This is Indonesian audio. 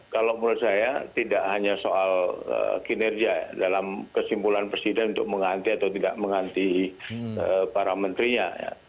kalau menurut saya tidak hanya soal kinerja dalam kesimpulan presiden untuk mengganti atau tidak mengganti para menterinya